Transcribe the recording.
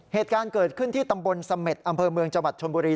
เหตุการณ์เกิดขึ้นที่ตำบลเสม็ดอำเภอเมืองจังหวัดชนบุรี